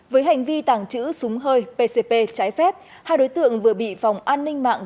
với hành vi tàng trữ súng hơi pcp trái phép hai đối tượng vừa bị phòng an ninh mạng